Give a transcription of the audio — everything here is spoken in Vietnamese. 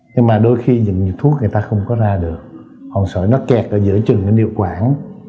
nhưng mà đôi khi những thuốc người ta không có ra được hoặc sỏi nó kẹt ở giữa chừng cái điều quản